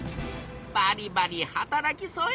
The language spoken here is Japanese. バリバリ働きそうや。